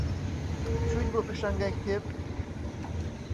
چوویت بۆ پێشانگای کتێب؟